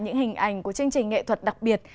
những hình ảnh của chương trình nghệ thuật đặc biệt